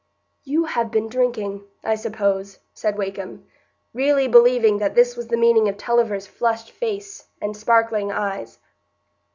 "You have been drinking, I suppose," said Wakem, really believing that this was the meaning of Tulliver's flushed face and sparkling eyes.